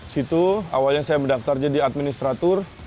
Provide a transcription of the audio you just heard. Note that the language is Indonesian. situ awalnya saya mendaftar jadi administrator